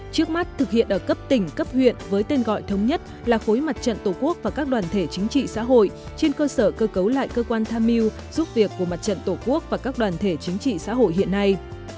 trước mắt thực hiện ở cấp tỉnh cấp huyện với tên gọi thống nhất là khối mặt trận tổ quốc và các đoàn thể chính trị xã hội trên cơ sở cơ cấu lại cơ quan tham mưu giúp việc của mặt trận tổ quốc và các đoàn thể chính trị xã hội hiện nay